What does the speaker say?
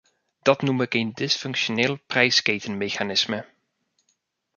Dat noem ik een disfunctioneel prijsketenmechanisme.